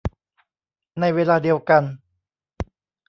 ในเวลาเดียวกัน